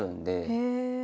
へえ。